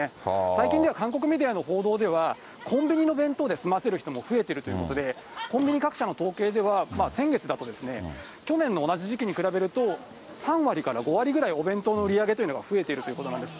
最近では韓国メディアの報道では、コンビニの弁当ですませる人も増えてるということで、コンビニ各社の統計では、先月だと去年の同じ時期に比べると、３割から５割ぐらい、お弁当の売り上げというのが増えているということなんです。